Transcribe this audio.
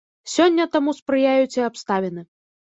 Сёння таму спрыяюць і абставіны.